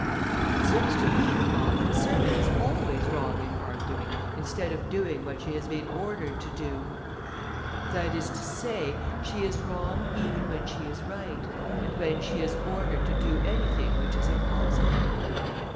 "It seems to me, mamma, that a servant is always wrong in arguing, instead of doing what she has been ordered to do." "That is to say, she is wrong even when she is right, and when she is ordered to do anything which is impossible."